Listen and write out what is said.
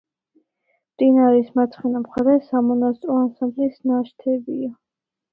მდინარის მარცხენა მხარეს სამონასტრო ანსამბლის ნაშთებია.